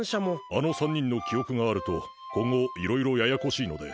あの３人の記憶があると今後、いろいろ、ややこしいので。